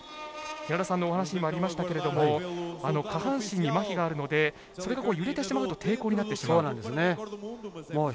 寺田さんのお話にもありましたけれども下半身にまひがあるのでそれが揺れてしまうと抵抗になってしまう。